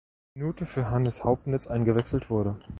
Minute für Hannes Haubitz eingewechselt wurde.